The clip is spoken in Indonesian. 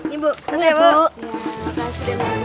ya makasih ya mas